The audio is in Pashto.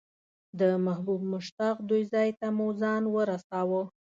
د محبوب مشتاق دوی ځای ته مو ځان ورساوه.